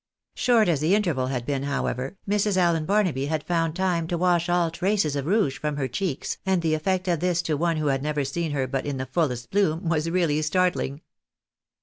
Short as the interval had been, however, Mrs. Allen Barnaby had found time to wash all traces of rouge from her cheeks, and the effect of this to one who had never seen her but in the fullest bloom, was really startling.